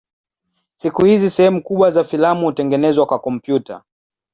Siku hizi sehemu kubwa za filamu hutengenezwa kwa kompyuta.